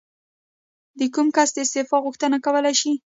کوم کس د استعفا غوښتنه کولی شي؟